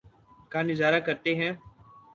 کا نظارہ کرتے ہیں